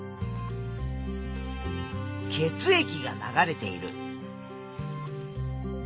血液が流れている。